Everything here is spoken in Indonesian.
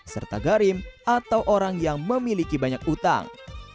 serta garim atau orang yang memiliki banyak utang